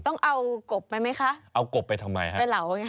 ต้องเอากบไปไหมคะเป็นเหลาอย่างนั้นครับเอากบไปทำไมครับ